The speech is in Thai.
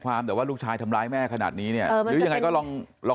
แต่ว่าลูกชายทำร้ายแม่ขนาดนี้เนี่ยหรือยังไงก็ลองลอง